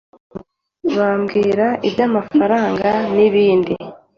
bambwira iby’amafaranga n’ibindi,